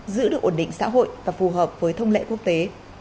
giữ được ổn định xã hội và phù hợp với thông lệ quốc tế